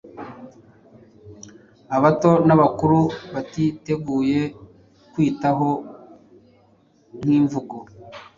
abato n’abakuru batiteguye kwitaho nk’imvugo